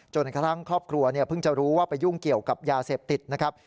กระทั่งครอบครัวเพิ่งจะรู้ว่าไปยุ่งเกี่ยวกับยาเสพติดนะครับ